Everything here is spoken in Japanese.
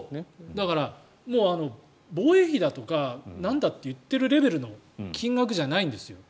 だから、防衛費だとかなんだと言っているレベルの金額じゃないんです。